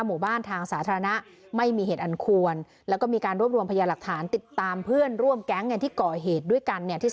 หมู่บ้านทางสาธารณะไม่มีเหตุอันควรแล้วก็มีการรวบรวมพยาหลักฐานติดตามเพื่อนร่วมแก๊งกันที่ก่อเหตุด้วยกันเนี่ยที่